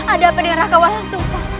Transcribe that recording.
ada apa dengan raka walang sungsang